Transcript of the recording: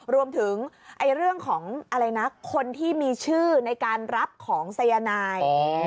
รวมถึงเรื่องของอะไรนะคนที่มีชื่อในการรับของสายนาย